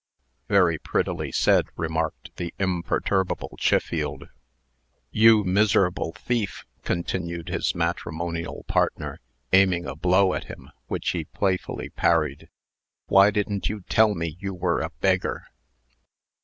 "Very prettily said," remarked the imperturbable Chiffield. "You miserable thief!" continued his matrimonial partner, aiming a blow at him, which he playfully parried; "why didn't you tell me you were a beggar?"